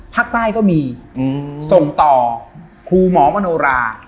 ภาคใต้ก็มีส่งต่อครูหมอมโนรา